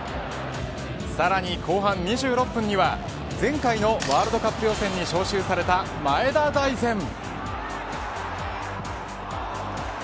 さらに後半２６分には前回のワールドカップ予選に招集された前田大然。